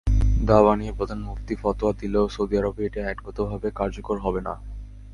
দাবা নিয়ে প্রধান মুফতি ফতোয়া দিলেও সৌদি আরবে এটি আইনগতভাবে কার্যকর হবে না।